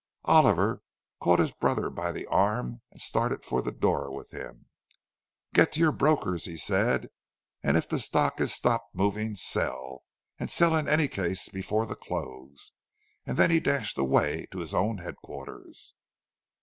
And Oliver caught his brother by the arm and started for the door with him. "Get to your broker's," he said. "And if the stock has stopped moving, sell; and sell in any case before the close." And then he dashed away to his own headquarters.